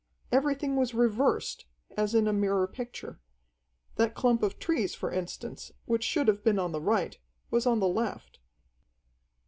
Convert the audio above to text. Everything was reversed, as in a mirror picture. That clump of trees, for instance, which should have been on the right, was on the left.